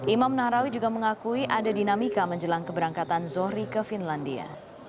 imam nahrawi juga mengakui ada dinamika menjelang keberangkatan zohri ke finlandia